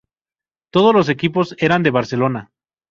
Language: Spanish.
Todos los equipos eran de Barcelona.